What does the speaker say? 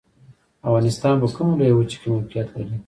افغانستان په کومه لویه وچې کې موقعیت لري؟